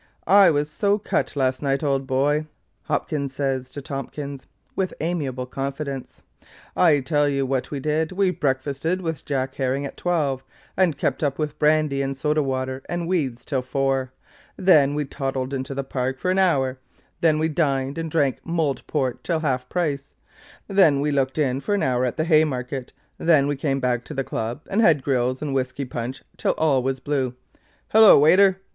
'I was SO cut last night old boy!' Hopkins says to Tomkins (with amiable confidence). 'I tell you what we did. We breakfasted with Jack Herring at twelve, and kept up with brandy and soda water and weeds till four; then we toddled into the Park for an hour; then we dined and drank mulled port till half price; then we looked in for an hour at the Haymarket; then we came back to the Club, and had grills and whisky punch till all was blue Hullo, waiter!